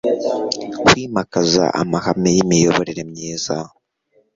kwimakaza amahame y'imiyoborere myiza